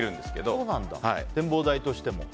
展望台としても。